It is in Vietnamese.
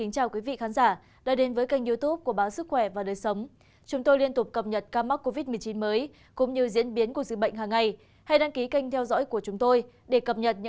các bạn hãy đăng ký kênh để ủng hộ kênh của chúng tôi nhé